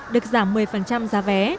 được giảm một mươi giá vé